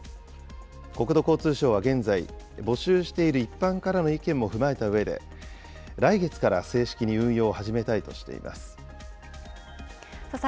国土交通省は現在、募集している一般からの意見も踏まえたうえで、来月から正式に運用を始めたいとしています。